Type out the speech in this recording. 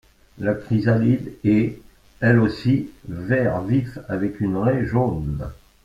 La chrysalide est, elle aussi, vert vif avec une raie jaune.